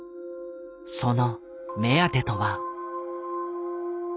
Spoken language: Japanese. その目当てとは。